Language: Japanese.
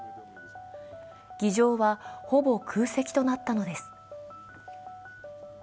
議場はほぼ空席となったのです。